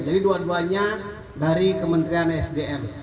jadi dua duanya dari kementerian sdm